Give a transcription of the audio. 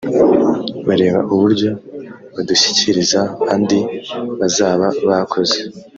barebe uburyo badushyikiriza andi bazaba bakoze